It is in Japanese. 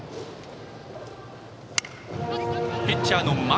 ピッチャーの前。